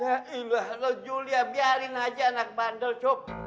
ya allah loh julia biarin aja anak bandel sop